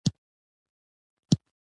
بليير دې ته لېوال و چې غږونه واوري.